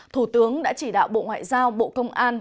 thủ tướng đã chỉ đạo bộ ngoại giao bộ công an